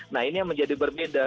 nah ini yang menjadi berbeda